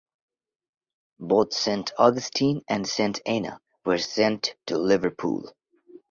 Both "St Augustine" and "St Anna" were sent into Liverpool.